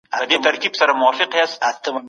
زه ګل بوی کوم.